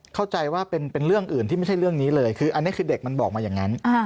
เข้าใจว่าเป็นเรื่องอื่นที่ไม่ใช่เรื่องนี้เลยคืออันนี้คือเด็กมันบอกมาอย่างนั้น